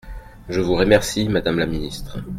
Je vous remercie, madame la ministre.